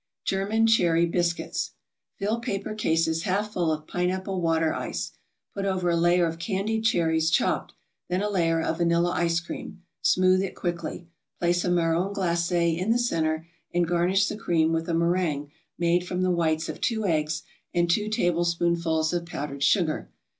GERMAN CHERRY BISCUITS Fill paper cases half full of pineapple water ice. Put over a layer of candied cherries chopped, then a layer of vanilla ice cream; smooth it quickly, place a marron glacé in the centre, and garnish the cream with a meringue made from the whites of two eggs and two tablespoonfuls of powdered sugar.